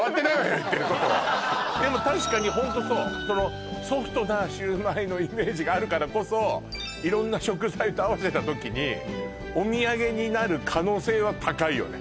言ってることでも確かにホントそうそのソフトなシュウマイのイメージがあるからこそ色んな食材と合わせた時にお土産になる可能性は高いよね